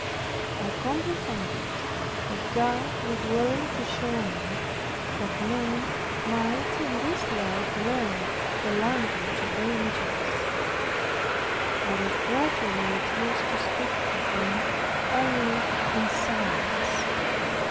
I comprehended that God was willing to show me that men might in this life learn the language of angels. I was gradually reduced to speak to him only in silence.